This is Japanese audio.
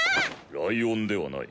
ライオンではない。